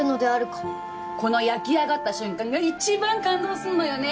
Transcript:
この焼き上がった瞬間が一番感動するのよね。